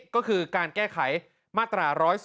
ก็คือการแก้ไขมาตรา๑๑๒